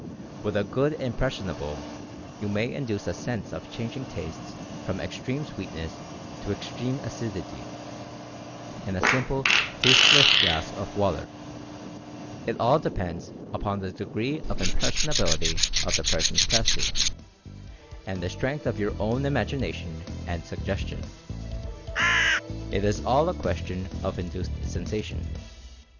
With a good "impressionable'' Experiments in Induced Sensation 117 you may induce a sense of changing tastes from ex treme sweetness to extreme acidity, in a simple taste less glass of water — it all depends upon the degree of impressionability of the persons tested, and the strength of your own imagination and suggestion. It L all a question of induced sensation.